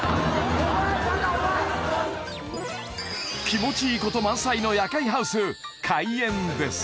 気持ちいいコト満載の夜会ハウス開演です